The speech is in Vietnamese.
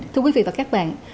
thưa quý vị và các bạn